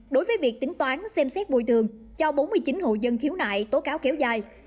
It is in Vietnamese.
đối với việc tính toán xem xét bồi thường cho bốn mươi chín hộ dân khiếu nại tố cáo kéo dài